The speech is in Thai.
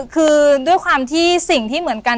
คือด้วยความที่สิ่งที่เหมือนกัน